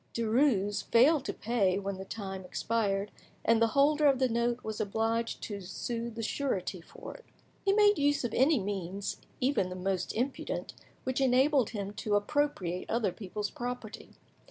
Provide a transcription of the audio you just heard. Derues failed to pay when the time expired, and the holder of the note was obliged to sue the surety for it. He made use of any means, even the most impudent, which enabled him to appropriate other people's property.